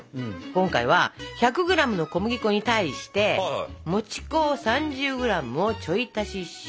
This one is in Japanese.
今回は１００ｇの小麦粉に対してもち粉を３０ｇをちょい足しします。